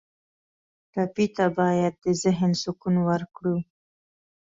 ټپي ته باید د ذهن سکون ورکړو.